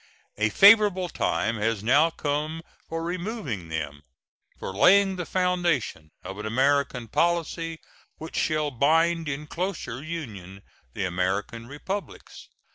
A favorable time has now come for removing them for laying the foundation of an American policy which shall bind in closer union the American Republics.